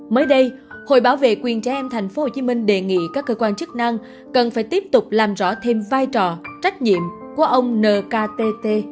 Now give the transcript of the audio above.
mới đây hội bảo vệ quyền trẻ em tp hcm đề nghị các cơ quan chức năng cần phải tiếp tục làm rõ thêm vai trò trách nhiệm của ông nkt